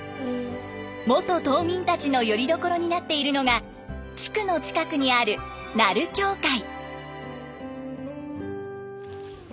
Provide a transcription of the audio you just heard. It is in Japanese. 元島民たちのよりどころになっているのが地区の近くにある奈留教会。